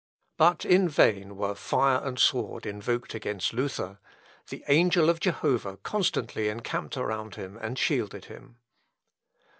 But in vain were fire and sword invoked against Luther. The angel of Jehovah constantly encamped around him and shielded him.